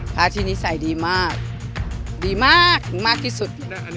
ถ้าที่นี้ไสดีมากมากที่สุด